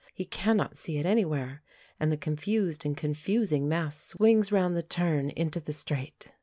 He cannot see it anywhere, and the confused and confusing mass swings round the turn into the straight.